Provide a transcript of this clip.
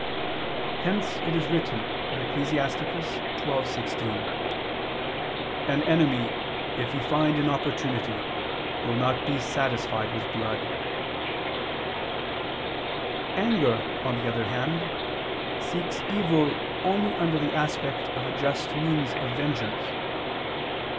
Hence it is written (Ecclus. 12:16): "An enemy ... if he find an opportunity, will not be satisfied with blood." Anger, on the other hand, seeks evil only under the aspect of a just means of vengeance.